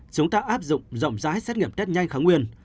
chúng ta áp dụng rộng rãi xét nghiệm test nhanh kháng nguyên